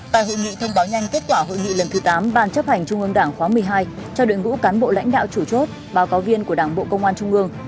tại hội nghị thông báo nhanh kết quả hội nghị lần thứ tám ban chấp hành trung ương đảng khóa một mươi hai cho đội ngũ cán bộ lãnh đạo chủ chốt báo cáo viên của đảng bộ công an trung ương